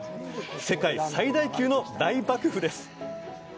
世界最大級の大ばくふです